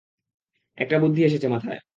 একটা বুদ্ধি এসেছে মাথায়।